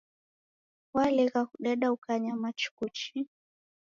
Walegha kudeda ukanyama chuku chii